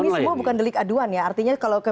dan ini semua bukan delik aduan ya artinya kalau